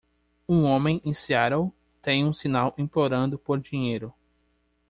Um homem em Seattle tem um sinal implorando por dinheiro.